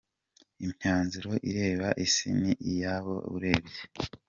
Imyanzuro ireba Isi ni iyabo urebye.